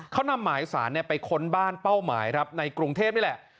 เขานำหมายสารไปค้นบ้านเป้าหมายครับในกรุงเทพนี่แหละ